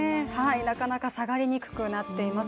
なかなか下がりにくくなっています。